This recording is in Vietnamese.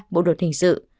bộ đột hình sự